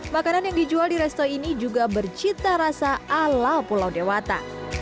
makanan yang dijual di resto ini juga bercita rasa ala pulau dewata